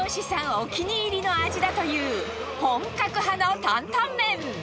お気に入りの味だという、本格派の担々麺。